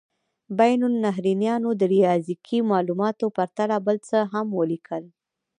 بین النهرینیانو له ریاضیکي مالوماتو پرته بل څه هم ولیکل.